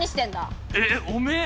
えっえっおめえ！？